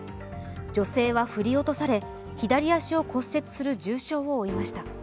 女性は振り落とされ、左足を骨折する重傷を負いました。